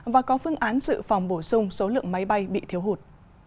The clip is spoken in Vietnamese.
và có phương án dự phòng bổ sung số lượng máy bay bị thiếu hụt